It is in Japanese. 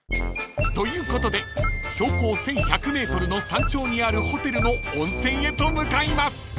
［ということで標高１，１００ｍの山頂にあるホテルの温泉へと向かいます］